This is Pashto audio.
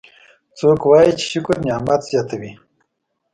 څوک وایي چې شکر نعمت زیاتوي